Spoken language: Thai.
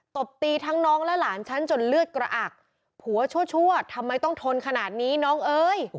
ตบตีทั้งน้องและหลานฉันจนเลือดกระอักผัวชั่วทำไมต้องทนขนาดนี้น้องเอ้ย